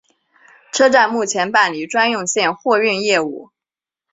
车站目前办理专用线货运业务。